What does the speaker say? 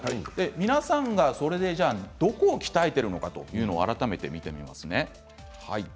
皆さんがそれでどこを鍛えているのかというのを改めて見てみますね。